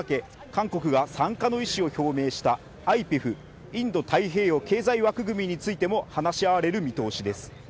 韓国が参加の意思を表明したＩＰＥＦ＝インド太平洋経済枠組みについても話し合われる見通しです